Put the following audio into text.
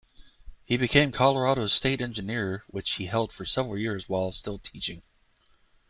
He became Colorado's State Engineer which he held for several years while still teaching.